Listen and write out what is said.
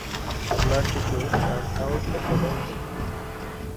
The last issue came out the following day.